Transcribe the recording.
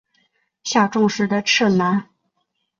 下重实的次男。